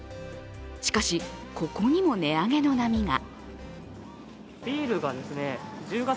しかし、ここにも値上げの波が。